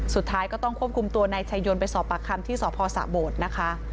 สุดท้ายก็ต้องควบคุมตัวในชายยนต์ไปสอบประคัมที่สภสะโบสถ์นะคะ